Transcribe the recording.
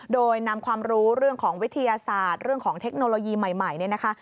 โดยนำความรู้เรื่องของวิทยาศาสตร์เรื่องของเทคโนโลยีใหม่เนี่ยนะคะ